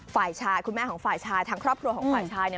ฝ่ายชายคุณแม่ของฝ่ายชายทางครอบครัวของฝ่ายชายเนี่ย